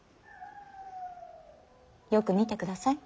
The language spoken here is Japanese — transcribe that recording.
よく見てください。